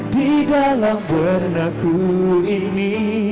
di dalam benakku ini